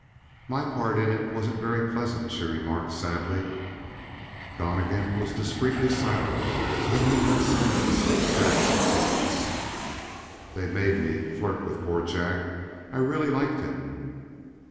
"My part in it wasn't very pleasant," she remarked sadly. Donnegan was discreetly silent, knowing that silence extracts secrets. "They made me flirt with poor Jack. I really liked him!"